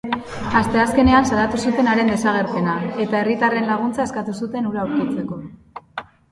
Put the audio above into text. Asteazkenean salatu zuten haren desagerpena, eta herritarren laguntza eskatu zuten hura aurkitzeko.